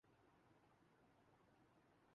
science سے لگاؤ پیدا کرنے میں عمر کی کوئی قید نہیں ہے